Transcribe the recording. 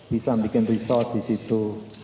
bisa bikin resort di situ